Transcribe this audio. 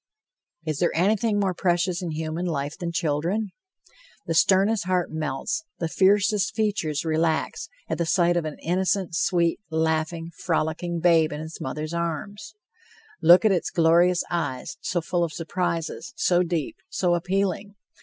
Is there anything more precious in human life than children? The sternest heart melts, the fiercest features relax, at the sight of an innocent, sweet, laughing, frolicking babe in its mother's arms. Look at its glorious eyes, so full of surprises, so deep, so appealing!